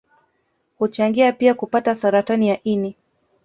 Huchangia pia kupata Saratani ya ini